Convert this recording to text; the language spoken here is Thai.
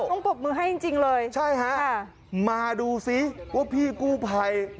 ต้องปบมือให้จริงเลยใช่ฮะมาดูสิว่าพี่กู้ไพย